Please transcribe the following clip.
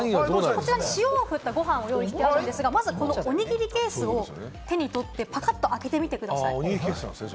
こちら、塩を振ったご飯を用意してあるんですが、まずはおにぎりケースを手に取ってパカッと開けてみてください。